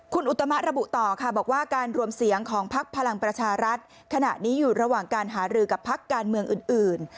คุณอุตมะระบุต่อค่ะบอกว่าการรวมเสียงของพักพลังประชารัฐขณะนี้อยู่ระหว่างการหารือกับพักการเมืองอื่น